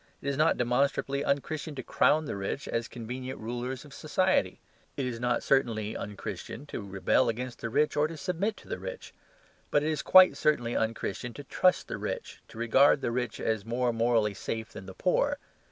It is not demonstrably un Christian to crown the rich as convenient rulers of society. It is not certainly un Christian to rebel against the rich or to submit to the rich. But it is quite certainly un Christian to trust the rich, to regard the rich as more morally safe than the poor.